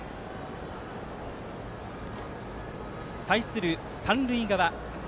対する三塁側。